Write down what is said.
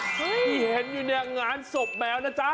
ที่เห็นอยู่เนี่ยงานศพแมวนะจ๊ะ